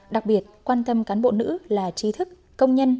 đặc biệt quan tâm cán bộ nữ là trí thức công nhân